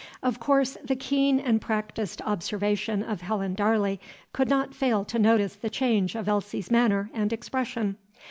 Of course, the keen and practised observation of Helen Darley could not fail to notice the change of Elsie's manner and expression.